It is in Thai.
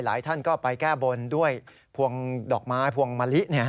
ท่านก็ไปแก้บนด้วยพวงดอกไม้พวงมะลิ